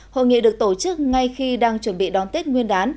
hội nghị được tổ chức ngay khi đang chuẩn bị đón tết nguyên đán